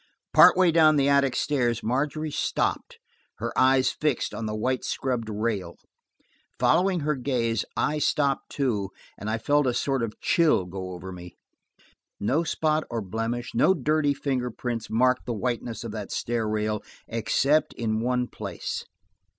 Part way down the attic stairs Margery stopped, her eyes fixed on the white scrubbed rail. Following her gaze, I stopped, too, and I felt a sort of chill go over me. No spot or blemish, no dirty finger print marked the whiteness of that stair rail, except in one place.